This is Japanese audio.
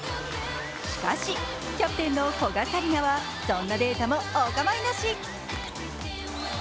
しかしキャプテンの古賀紗理那はそんなデータもおかまいなし。